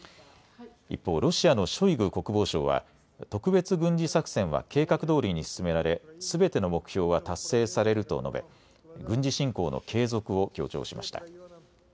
一方、ロシアのショイグ国防相は特別軍事作戦は計画どおりに進められ、すべての目標は達成されると述べ、軍事侵攻の継続を強調しました。